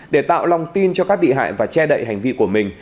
để tạo lòng tin cho các bị hại và che đậy hành vi của mình